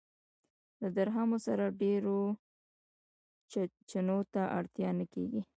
له درهمو سره ډېرو چنو ته اړتیا نه کېږي.